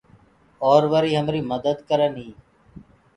اور وي همري مدد ڪرن هينٚ۔